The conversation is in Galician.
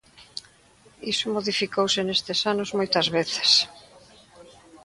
Iso modificouse nestes anos moitas veces.